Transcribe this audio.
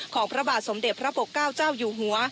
พระบาทสมเด็จพระปกเก้าเจ้าอยู่หัว